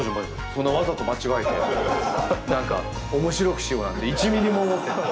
そんなわざと間違えて何か面白くしようなんて１ミリも思ってない。